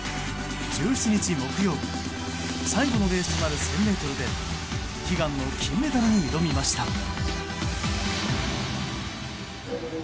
１７日、木曜日最後のレースとなる１０００ｍで悲願の金メダルに挑みました。